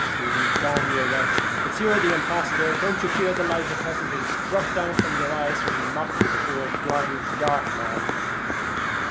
1 Begone, you wretch ! it's you'ze the imposhterer. Don't you fear the light of heaven being struck from your eyes for mocking the poor dark man